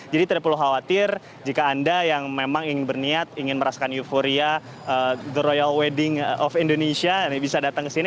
jadi tidak perlu khawatir jika anda yang memang ingin berniat ingin merasakan euforia the royal wedding of indonesia bisa datang ke sini